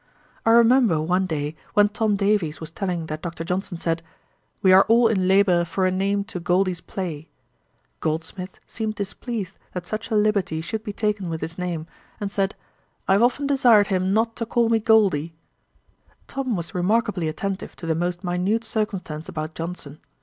I remember one day, when Tom Davies was telling that Dr. Johnson said, 'We are all in labour for a name to Goldy's play,' Goldsmith seemed displeased that such a liberty should be taken with his name, and said, 'I have often desired him not to call me Goldy.' Tom was remarkably attentive to the most minute circumstance about Johnson.